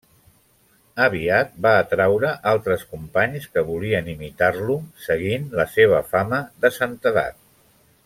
Aviat va atraure altres companys que volien imitar-lo, seguint la seva fama de santedat.